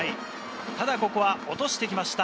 ただここは落としてきました。